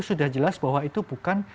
sudah jelas bahwa itu bukan